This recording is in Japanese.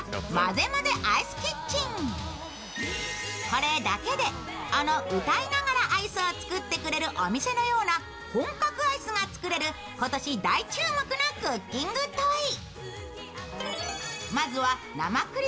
これだけで、あの歌いながらアイスを作ってくれるお店のような本格アイスが作れる、今年大注目のクッキングトイ。